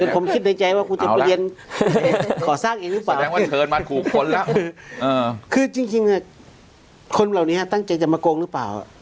ผมคิดในใจว่าคุณจะไปเรียนขอสร้างเองหรือเปล่าคือจริงจริงฮะคนเหล่านี้ฮะตั้งใจจะมาโกงหรือเปล่า